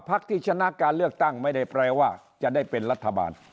พักที่ชนะการเลือกตั้งไม่ได้แปลว่าจะได้เป็นรัฐบาล